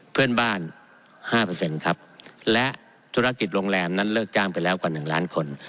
เพื่อนบ้าน๕ครับและธุรกิจโรงแรมนั้นเลิกจ้างไปแล้วกว่า๑ล้านคน